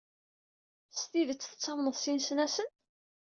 S tidet tettamneḍ s yinesnasen?